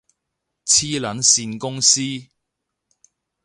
黐撚線公司